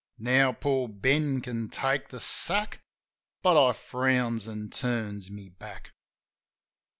Now poor Ben can take the sack.'' But I frowns, an' turns my back.